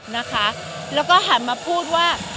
นะคะแล้วก็หันมาพูดว่า